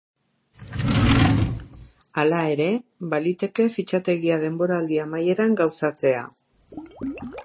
Hala ere, baliteke fitxaketa denboraldi amaieran gauzatzea.